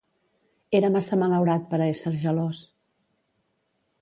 Era massa malaurat per a ésser gelós.